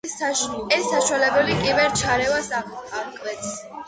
ეს საშუალებები კიბერ-ჩარევას აღკვეთს.